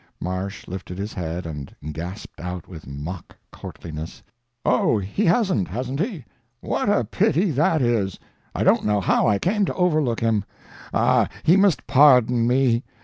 Marsh lifted his head and gasped out with mock courtliness, "Oh, he hasn't, hasn't he? What a pity that is. I don't know how I came to overlook him. Ah, he must pardon me.